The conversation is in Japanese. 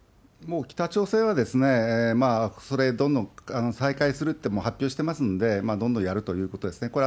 もう北朝鮮は、それ、どんどん再開するって発表してますので、どんどんやるということですね。